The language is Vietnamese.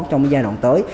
trong giai đoạn tới